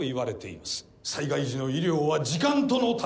災害時の医療は時間との闘い。